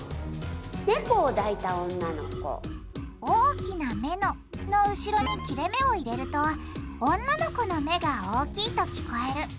「大きな目の」の後ろに切れめを入れると女の子の目が大きいと聞こえる。